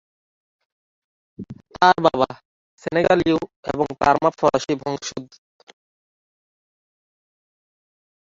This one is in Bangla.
তার বাবা সেনেগালীয় এবং তার মা ফরাসি বংশোদ্ভূত।